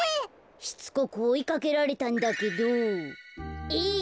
しつこくおいかけられたんだけど「えい！